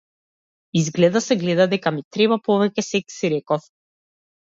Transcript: Изгледа се гледа дека ми треба повеќе секс, си реков.